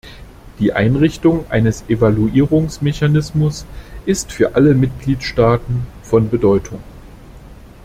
Die Einrichtung eines Evaluierungsmechanismus ist für alle Mitgliedstaaten von Bedeutung.